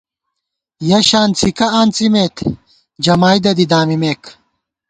یَہ شان څھِکہ آنڅِمېت، جمائیدہ دی دامِمېک